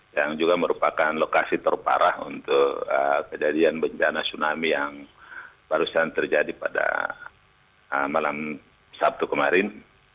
yang juga merupakan lokasi terparah untuk kejadian bencana tsunami yang barusan terjadi pada malam sabtu kemarin